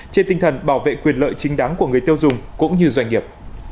trên tinh thần bảo vệ quyền lợi chính đáng của người tiêu dùng cũng như doanh nghiệp